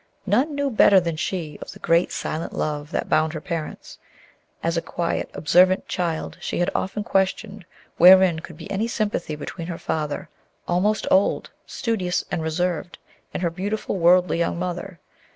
None knew better than she of the great, silent love that bound her parents. As a quiet, observant child, she had often questioned wherein could be any sympathy between her father, almost old, studious, and reserved, and her beautiful, worldly young mother.